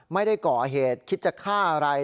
ไม่ได้ก่อเหตุคิดจะฆ่าอะไร